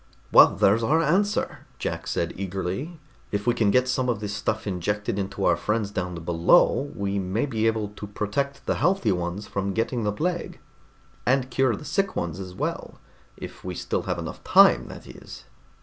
"Well, there's our answer," Jack said eagerly. "If we can get some of this stuff injected into our friends down below, we may be able to protect the healthy ones from getting the plague, and cure the sick ones as well. If we still have enough time, that is."